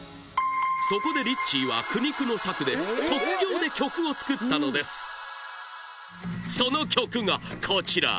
そこでリッチーは苦肉の策で即興で曲を作ったのですその曲がこちら